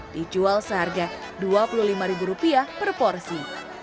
dijual seharga dua puluh lima rupiah per porsi